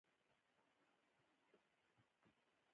باد د خزان نښه ده